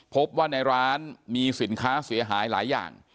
พบว่าในร้านมีสินค้าเสียหายหลายอย่าง